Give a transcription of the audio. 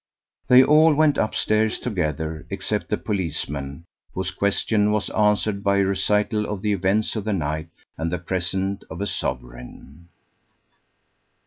They all went upstairs together, except the policeman, whose question was answered by a recital of the events of the night, and the present of a sovereign.